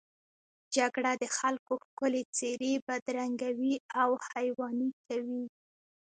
جګړه د خلکو ښکلې څېرې بدرنګوي او حیواني کوي